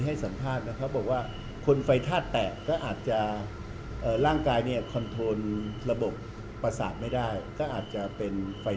ข้ีดอย่างนี้ให้สัมภาษณ์บอกว่าคนไฟทาดแตะร่างกายคอนโทรลระบบประสาทไม่ได้